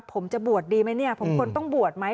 ผมจะบวชดีไหมเนี่ยผมควรต้องบวชไหม